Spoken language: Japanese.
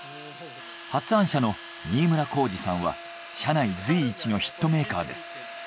発案者の新村孝司さんは社内随一のヒットメーカーです。